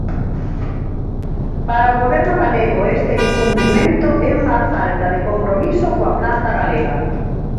Para o goberno galego este incumprimento é unha falta de compromiso coa planta galega.